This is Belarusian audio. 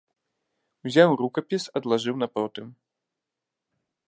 Узяў рукапіс адлажыў на потым.